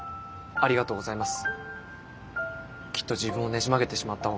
ありがとうございます。